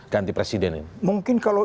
ganti presiden ini mungkin kalau